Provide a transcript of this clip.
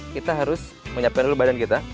kita harus menyiapkan dulu badan kita